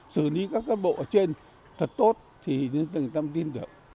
thứ hai là chúng ta phải làm tốt hơn